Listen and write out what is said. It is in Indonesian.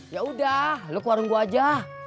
ya udah lu ke warung gua aja